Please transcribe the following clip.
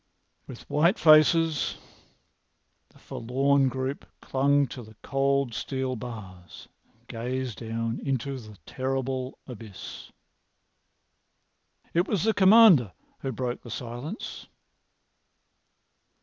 With white faces, the forlorn group clung to the cold steel bars and gazed down into the terrible abyss. It was the Commander who broke the silence.